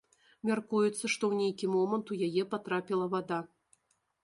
Мяркуецца, што ў нейкі момант у яе патрапіла вада.